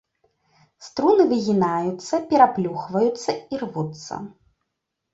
Струны выгінаюцца, пераплюхваюцца і рвуцца.